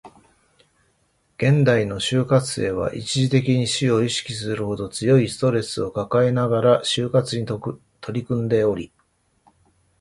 現代の就活生は、一時的に死を意識するほど強いストレスを抱えながら就活に取り組んでおり